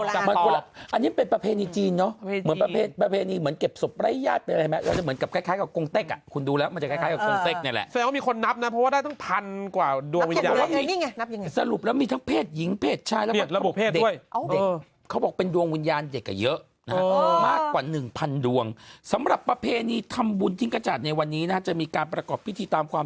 ทางอีสานใช้ก็บอกไม่ไผ่ใช่เปล่า